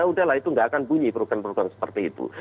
udahlah itu nggak akan bunyi program program seperti itu